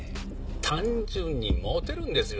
単純にモテるんですよ。